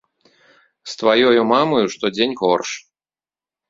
З тваёю мамаю штодзень горш.